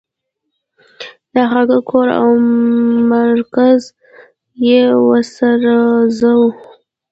د هغه کور او مرکز یې وسوځاوه.